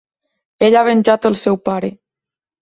Ell ha venjat el seu pare.